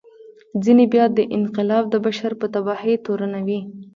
ځینې بیا دا انقلاب د بشر په تباهي تورنوي.